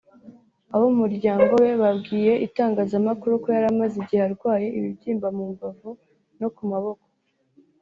Abo mu muryango we babwiye itangazamakuru ko yari amaze igihe arwaye ibibyimba mu mbavu no kumaboko